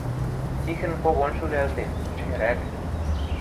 Тихӹн когон шӱлӓлтен, чӹньрӓк.